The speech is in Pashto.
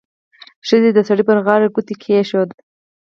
ښځې د سړي پر غاړه ګوتې کېښودې.